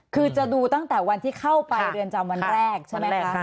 คือจะดูตั้งแต่วันที่เข้าไปเรือนจำวันแรกใช่ไหมคะ